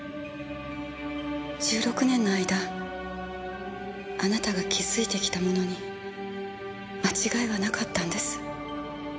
１６年の間あなたが築いてきたものに間違いはなかったんです。